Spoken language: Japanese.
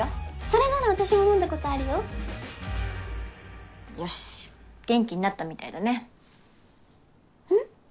それなら私も飲んだことあるよよし元気になったみたいだねうん？